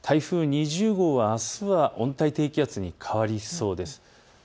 台風２０号は、あすは温帯低気圧に変わりそうです。